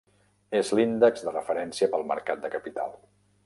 És l'índex de referència pel mercat de capital.